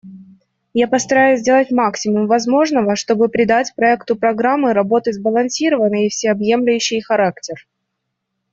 Я постараюсь сделать максимум возможного, чтобы придать проекту программы работы сбалансированный и всеобъемлющий характер.